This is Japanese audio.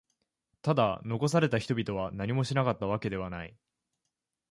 ただ、残された人々は何もしなかったわけではない。